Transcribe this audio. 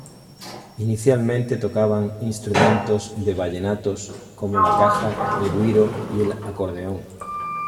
Inicialmente tocaban instrumentos de vallenatos como, la caja, el güiro y el acordeón.